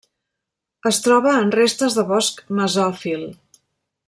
Es troba en restes de bosc mesòfil.